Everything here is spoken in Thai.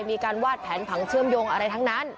มีการวาดแผนผังเชื่อมโยงอะไรทั้งนั้น